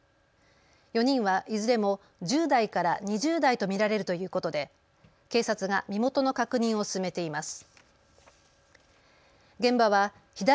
４人はいずれも１０代から２０代と見られるということで警察が身元の確認を進めています。